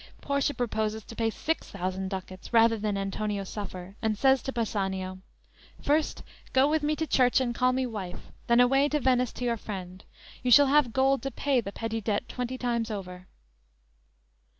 Portia proposes to pay six thousand ducats rather than Antonio suffer, and says to Bassanio: _"First go with me to church and call me wife, Then away to Venice to your friend. You shall have gold To pay the petty debt twenty times over!"